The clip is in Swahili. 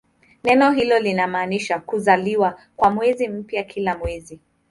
Neno hilo linamaanisha "kuzaliwa" kwa mwezi mpya kila mwezi.